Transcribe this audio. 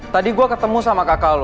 tadi gua ketemu sama kakak lo